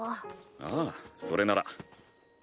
ああそれなら。